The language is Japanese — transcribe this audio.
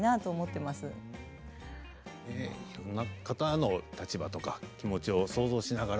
いろんな方の立場とか気持ちを想像しながら。